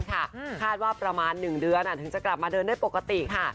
คาดว่าประมาณ๑เดือนถึงจะกลับมาเดินได้ปกติค่ะ